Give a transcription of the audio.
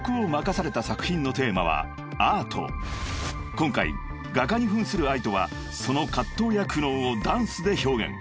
［今回画家に扮するＡＩＴＯはその葛藤や苦悩をダンスで表現］